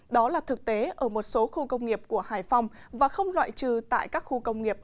đó là thực tế ở một số khu công nghiệp của hải phòng và không loại trừ tại các khu công nghiệp